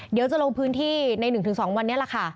เดี๋ยวจะลงพื้นที่ใน๑๒วันนี้แหละค่ะ